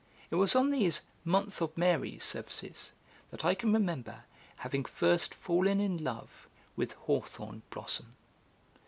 It was in these 'Month of Mary' services that I can remember having first fallen in love with hawthorn blossom.